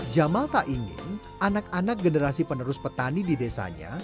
jamal ta'ingin anak anak generasi penerus petani di desanya